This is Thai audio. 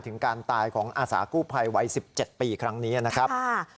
ถึงการตายของอาสากู้ภัยวัย๑๗ปีครั้งนี้นะครับ